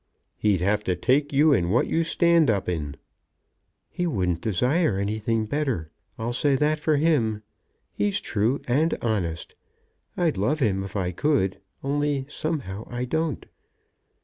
"He'd have to take you in what you stand up in." "He wouldn't desire anything better. I'll say that for him. He's true and honest. I'd love him if I could, only, somehow I don't."